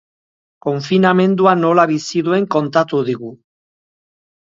Konfinamendua nola bizi duen kontatu digu.